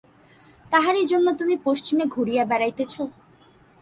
তাহারই জন্য তুমি পশ্চিমে ঘুরিয়া বেড়াইতেছ?